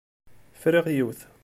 Friɣ yiwet.